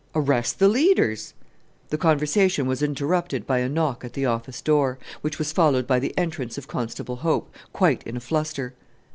"Arrest the leaders!" The conversation was interrupted by a knock at the office door, which was followed by the entrance of Constable Hope, quite in a fluster.